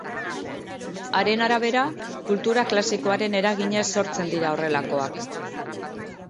Haren arabera, kultura klasikoaren eraginez sortzen dira horrelakoak.